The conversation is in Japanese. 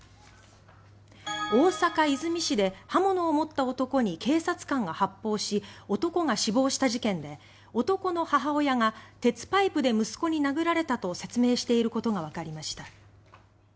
大阪和泉市で刃物を持った男に警察官が発砲し男が死亡した事件で男の母親が鉄パイプで息子に殴られたと説明していることがわかりました。